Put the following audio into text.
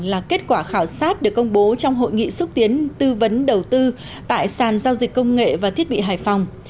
là kết quả khảo sát được công bố trong hội nghị xúc tiến tư vấn đầu tư tại sàn giao dịch công nghệ và thiết bị hải phòng